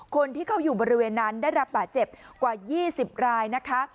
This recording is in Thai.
คนที่เขาอยู่บริเวณนั้นได้รับบาดเจ็บกว่า๒๐รายนะคะ